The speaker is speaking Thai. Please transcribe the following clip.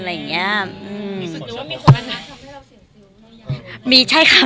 มีคนรักทำให้เราเสี่ยงซิ้วไม่ยาก